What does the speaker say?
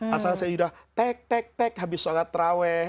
asal saya udah tek tek tek habis sholat raweh